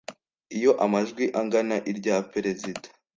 iyo amajwi angana irya perezida